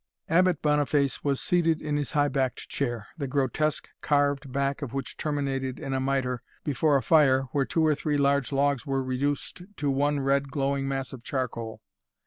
Abbot Boniface was seated in his high backed chair, the grotesque carved back of which terminated in a mitre, before a fire where two or three large logs were reduced to one red glowing mass of charcoal.